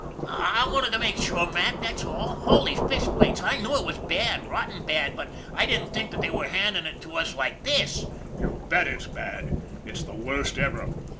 " I wanted to be sure, Mac, that's all. Holy fish plates, I knew it was bad, rotten bad, but I didn't think they were handing it to us like this." "You bet it's bad. It's the worst ever.